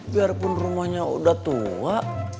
biarpun rumahnya udah tua